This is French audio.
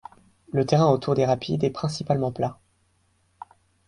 Le terrain autour des rapides est principalement plat.